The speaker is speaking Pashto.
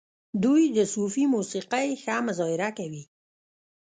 دوی د صوفي موسیقۍ ښه مظاهره کوي.